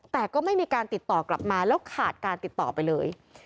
แต่ก็ไม่มีการติดต่อกลับมาแล้วขาดการติดต่อไปเลย